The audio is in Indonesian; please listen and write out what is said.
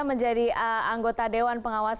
menjadi anggota dewan pengawas